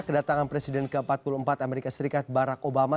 kedatangan presiden ke empat puluh empat amerika serikat barack obama